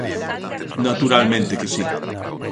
Naturalmente que si.